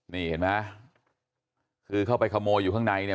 นี่เห็นไหมคือเข้าไปขโมยอยู่ข้างในเนี่ย